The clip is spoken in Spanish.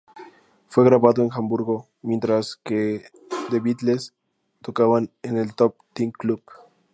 Fue grabado en Hamburgo, mientras que The Beatles tocaban en el Top Ten Club.